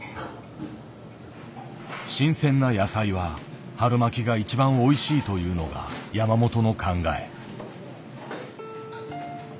新鮮な野菜は春巻きが一番おいしいというのが山本の考え。